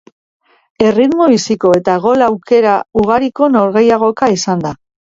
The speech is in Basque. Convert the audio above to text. Erritmo biziko eta gol aukera ugariko norgehiagoka izan da.